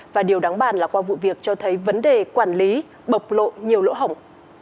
và điều đáng bàn là qua vụ việc cho thấy vấn đề quản lý bộc lộ nhiều lỗ hỏng